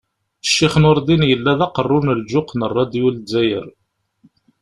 Ccix Nurdin yella d aqerru n lǧuq n rradyu n Lezzayer.